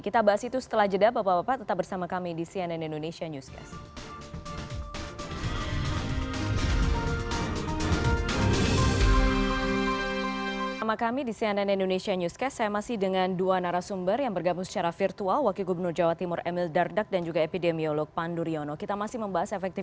kita bahas itu setelah jeda bapak bapak tetap bersama kami di cnn indonesia newscast